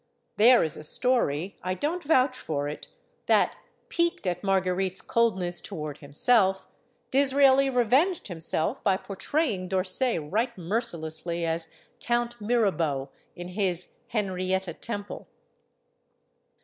There is a story I don't vouch for it that, piqued at Mar guerite's coldness toward himself, Disraeli revenged himself by portraying D'Orsay right mercilessly as "Count Mirabeau," in his "Henrietta Temple."